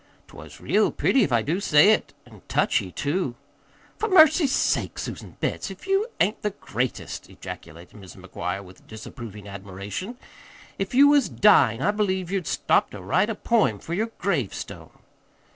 'T was real pretty, if I do say it, an' touchy, too." "For mercy's sake, Susan Betts, if you ain't the greatest!" ejaculated Mrs. McGuire, with disapproving admiration. "If you was dyin' I believe you'd stop to write a poem for yer gravestone!"